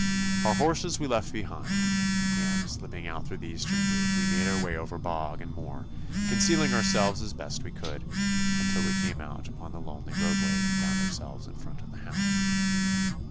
Our horses we left behind, and slipping out through the eastern gate we made our way over bog and moor, concealing ourselves as best we could, until we came out upon the lonely roadway, and found ourselves in front of the house.